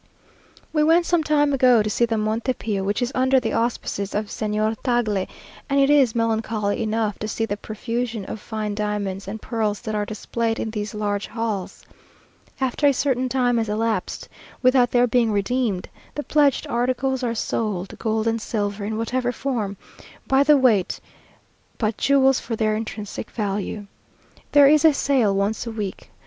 We went some time ago to see the Monte Pio, which is under the auspices of Señor Tagle; and it is melancholy enough to see the profusion of fine diamonds and pearls that are displayed in these large halls. After a certain time has elapsed without their being redeemed, the pledged articles are sold; gold and silver, in whatever form, by the weight, but jewels for their intrinsic value. There is a sale once a week.